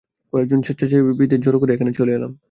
কয়েকজন স্বেচ্ছাসেবীদের জড়ো করে এখানে চলে এলাম।